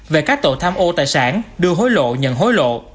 về các tội tham ô tài sản đưa hối lộ nhận hối lộ